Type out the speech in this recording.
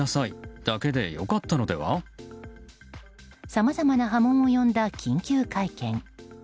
さまざまな波紋を呼んだ緊急会見。